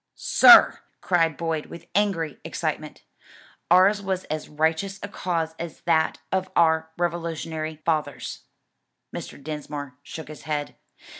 "Sir!" cried Boyd, with angry excitement, "ours was as righteous a cause as that of our Revolutionary fathers." Mr. Dinsmore shook his head.